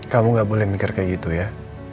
kamu gak boleh mikir kayak gitu ya